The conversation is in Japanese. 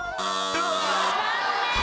残念。